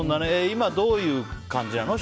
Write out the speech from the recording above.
今どういう感じなの？